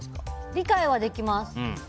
理解はできます。